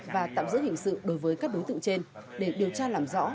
và tạm giữ hình sự đối với các đối tượng trên để điều tra làm rõ